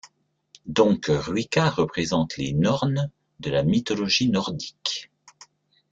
Donc Ruika représente les Nornes de la mythologie nordique.